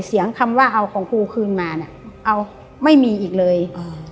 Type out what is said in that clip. คำว่าเอาของครูคืนมาเนี้ยเอาไม่มีอีกเลยอืม